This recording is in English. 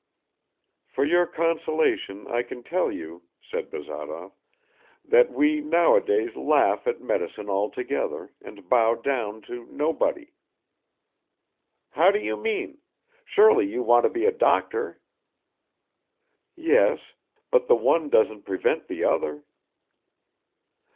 "For your consolation I can tell you," said Bazarov, "that we nowadays laugh at medicine altogether and bow down to nobody." "How do you mean? Surely you want to be a doctor." "Yes, but the one doesn't prevent the other."